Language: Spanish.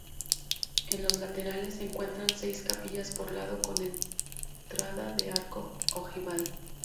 En los laterales se encuentran seis capillas por lado con entrada de arco ojival.